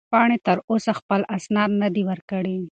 پاڼې تر اوسه خپل اسناد نه دي ورکړي.